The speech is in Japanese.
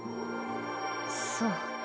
そう。